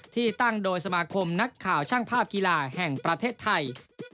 ที่ตั้งโดยสมาคมนักข่าวช่างภาพกีฬาแห่งประเทศไทย